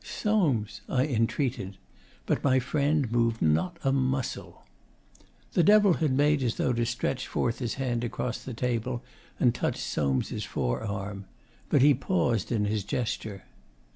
'Soames!' I entreated. But my friend moved not a muscle. The Devil had made as though to stretch forth his hand across the table and touch Soames' forearm; but he paused in his gesture.